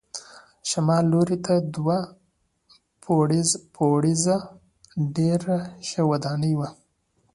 شمال لور ته دوه پوړیزه ډېره ښه ودانۍ وه.